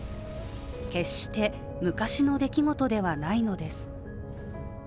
決して昔の出来事ではないのです。